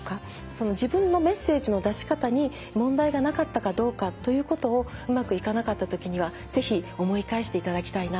その自分のメッセージの出し方に問題がなかったかどうかということをうまくいかなかったときには是非思い返していただきたいなと思うんです。